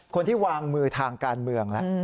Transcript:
คนที่วางมือทางการเมืองแล้ว